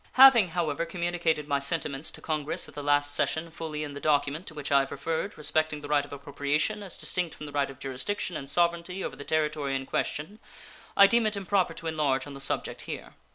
Having, however, communicated my sentiments to Congress at the last session fully in the document to which I have referred, respecting the right of appropriation as distinct from the right of jurisdiction and sovereignty over the territory in question, I deem it improper to enlarge on the subject here.